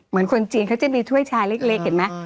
คนจีนเขาจะมีถ้วยชาเล็กเห็นไหม